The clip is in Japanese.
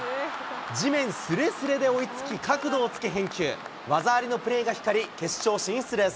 地面すれすれで追いつき、角度をつけ返球、技ありのプレーが光り、決勝進出です。